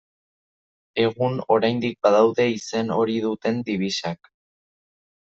Egun oraindik, badaude izen hori duten dibisak.